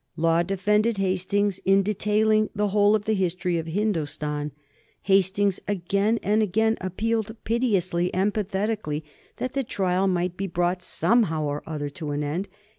Law defended Hastings in detailing the whole of the history of Hindostan. Hastings again and again appealed piteously and pathetically that the trial might be brought somehow or other to an end.